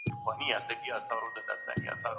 که د څېړنې معیار کښته وي نو علم نه پرمختګ کوي.